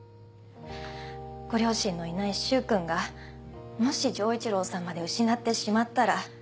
ご両親のいない柊君がもし丈一郎さんまで失ってしまったら。